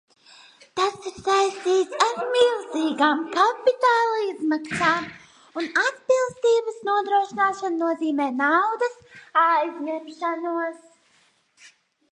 Tas ir saistīs ar milzīgām kapitāla izmaksām, un atbilstības nodrošināšana nozīmē naudas aizņemšanos.